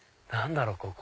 何だろう？